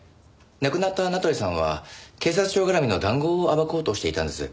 亡くなった名取さんは警察庁絡みの談合を暴こうとしていたんです。